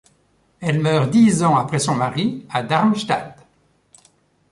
Elle meurt dix ans après son mari à Darmstadt.